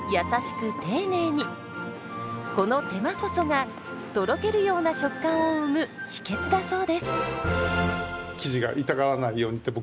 この手間こそがとろけるような食感を生む秘訣だそうです。